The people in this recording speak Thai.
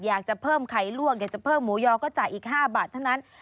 อยากจะเพิ่มไข่ลวกอยากจะเพิ่มหมูยอก็จ่ายอีก๕บาทเท่านั้น